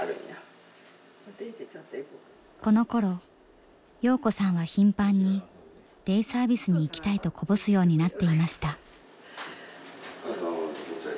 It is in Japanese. このころ洋子さんは頻繁にデイサービスに行きたいとこぼすようになっていました。